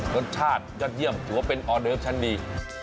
รสชาติยอดเยี่ยมถือว่าเป็นออเดิฟชั้นดี